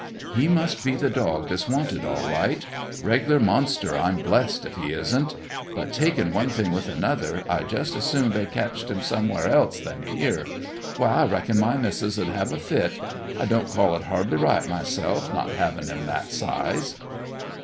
"He must be the dog that's wanted, all right; reg'ler monster, I'm blessed if he isn't. But, takin' one thing with another, I'd just as soon they catched him somewhere else than here. Why, I reckon my missis 'ud have a fit. I don't call it hardly right, myself; not 'avin' 'em that size."